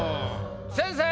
先生！